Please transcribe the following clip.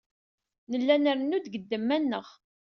Nella nrennu-d seg ddemma-nneɣ.